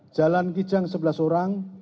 jalan kijang sebelas orang